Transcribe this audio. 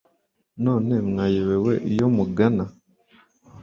none mwayobewe iyo mugana